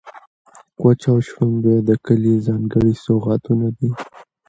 کوچ او شړومبې د کلي ځانګړي سوغاتونه دي.